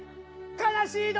悲しい時。